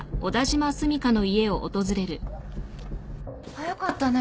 早かったね。